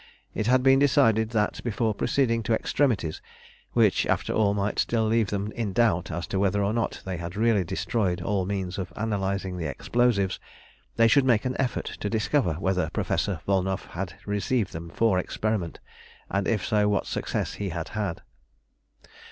It had been decided that, before proceeding to extremities, which, after all, might still leave them in doubt as to whether or not they had really destroyed all means of analysing the explosives, they should make an effort to discover whether Professor Volnow had received them for experiment, and, if so, what success he had had.